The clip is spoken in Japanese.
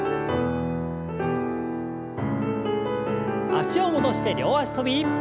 脚を戻して両脚跳び。